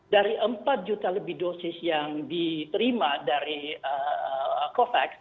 dari empat juta lebih dosis yang diterima dari covax